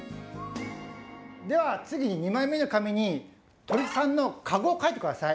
では次に２枚目の紙に鳥さんのかごをかいてください。